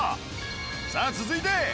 さあ続いて